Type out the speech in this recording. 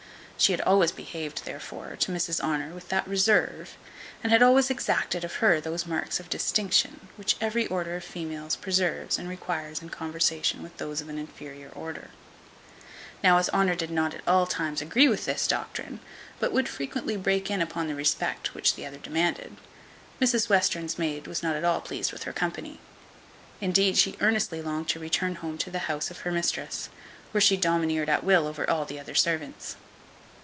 She had always behaved, therefore, to Mrs Honour with that reserve, and had always exacted of her those marks of distinction, which every order of females preserves and requires in conversation with those of an inferior order. Now as Honour did not at all times agree with this doctrine, but would frequently break in upon the respect which the other demanded, Mrs Western's maid was not at all pleased with her company; indeed, she earnestly longed to return home to the house of her mistress, where she domineered at will over all the other servants.